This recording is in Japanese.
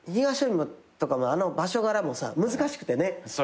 あの場所柄もさ難しくてね。